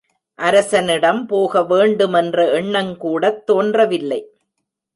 அரசனிடம் போக வேண்டுமென்ற எண்ணங்கூடத் தோன்றவில்லை.